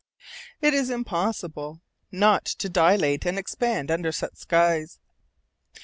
It is impossible not to dilate and expand under such skies.